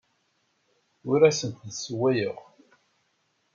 Ur asent-d-ssewwayeɣ.